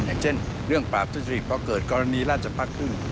อย่างเช่นเรื่องปราบทุกจธิริตพอเกิดกรณีราชภาคครึ่ง